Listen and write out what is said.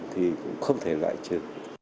thì cũng không thể gại chứ